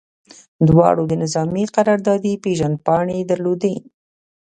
دواړو د نظامي قراردادي پیژندپاڼې درلودې